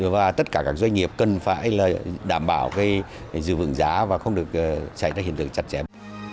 và tất cả các doanh nghiệp cần phải là đảm bảo cái dự vựng giá và không được chạy tới hiện tượng chặt chém